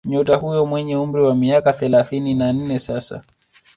Nyota huyo mwenye umri wa miaka thelathini na nne sasa